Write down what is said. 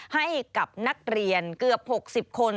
ให้กับนักเรียนเกือบ๖๐คน